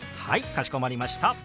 かしこまりました。